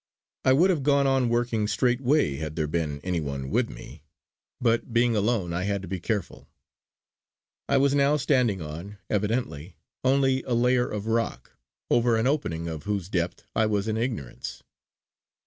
I would have gone on working straightway had there been anyone with me; but being alone I had to be careful. I was now standing on, evidently, only a layer of rock, over an opening of whose depth I was in ignorance.